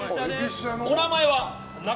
お名前は？